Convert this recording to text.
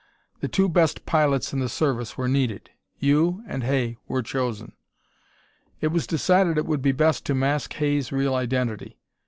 The two best pilots in the service were needed. You and Hay were chosen. "It was decided it would be best to mask Hay's real identity.